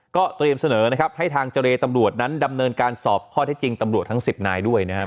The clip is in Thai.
ก็เตรียมเสนอนะครับให้ทางเจรตำรวจนั้นดำเนินการสอบข้อเท็จจริงตำรวจทั้ง๑๐นายด้วยนะครับ